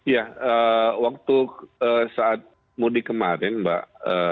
ya waktu saat mudik kemarin mbak